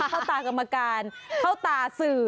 เข้าตากรรมการเข้าตาสื่อ